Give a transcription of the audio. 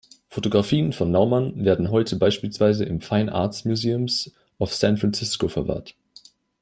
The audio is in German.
Fotografien von Naumann werden heute beispielsweise im Fine Arts Museums of San Francisco verwahrt.